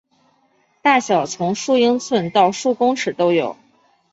大小从数英寸到数公尺都有。